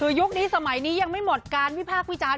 คือยุคนี้สมัยนี้ยังไม่หมดการวิพากษ์วิจารณ์